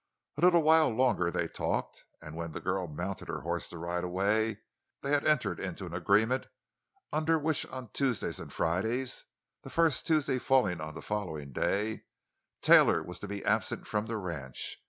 A little while longer they talked, and when the girl mounted her horse to ride away, they had entered into an agreement under which on Tuesdays and Fridays—the first Tuesday falling on the following day—Taylor was to be absent from the ranch.